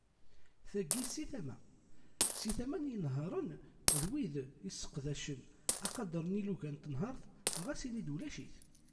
Tagi si tama, si tama n yinehharen d wid isseqdacen, aqader n yilugan n tenhert ɣas ini-d ulac-it.